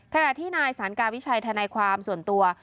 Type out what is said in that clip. ขณะที่นายสารกาวิชัยทนายความส่วนตัว